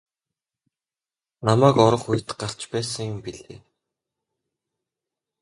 Намайг орох үед гарч байсан юм билээ.